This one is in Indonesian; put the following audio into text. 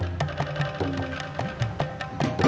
bapaknya nangis tenang aja